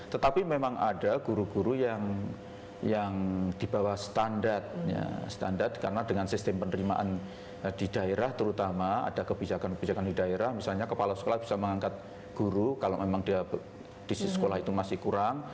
tetapi memang ada guru guru yang di bawah standar karena dengan sistem penerimaan di daerah terutama ada kebijakan kebijakan di daerah misalnya kepala sekolah bisa mengangkat guru kalau memang dia di sekolah itu masih kurang